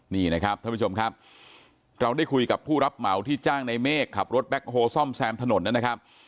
นี่นะครับท่านผู้ชมครับเราได้คุยกับผู้รับเหมาที่จ้างในเมฆขับรถแบ็คโฮซ่อมแซมถนนนะครับ